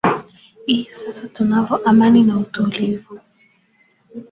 i sasa tunayo amani na utulivu